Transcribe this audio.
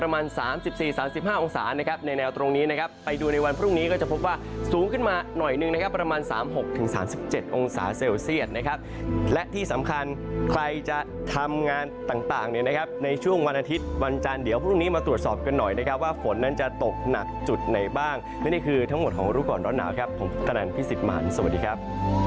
มาหน่อยนึงประมาณ๓๖๓๗องศาเซลเซียสนะครับและที่สำคัญใครจะทำงานต่างในช่วงวันอาทิตย์วันจานเดียวพรุ่งนี้มาตรวจสอบกันหน่อยนะครับว่าผลนั้นจะตกหนักจุดไหนบ้างนี่คือทั้งหมดของรู้ก่อนรอดหนาวครับผมกะนานพี่สิทธิ์มานสวัสดีครับ